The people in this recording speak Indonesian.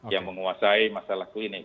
yang menguasai masalah klinik